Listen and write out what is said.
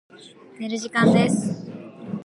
寝る時間です。